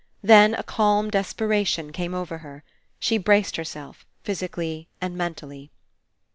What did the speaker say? Then a calm desperation came over her. She braced herself, physically and mentally.